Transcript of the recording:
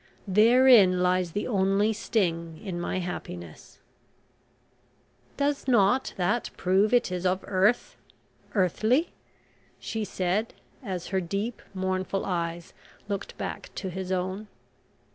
Therein lies the only sting in my happiness " "Does not that prove it is of earth earthly?" she said, as her deep mournful eyes looked back to his own.